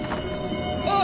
あ！